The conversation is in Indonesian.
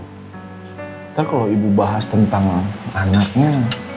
kita kalau ibu bahas tentang anaknya